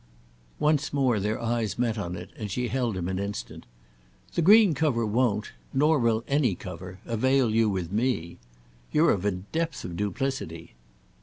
Once more their eyes met on it, and she held him an instant. "The green cover won't—nor will any cover—avail you with me. You're of a depth of duplicity!"